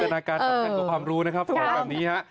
จินตนาการถามรู้นะครับถูกกับนี่